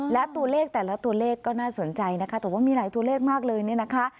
และตัวเลขแต่ละตัวเลขก็น่าสนใจนะคะแต่ว่ามีหลายตัวเลขมากเลยเนี่ยนะคะ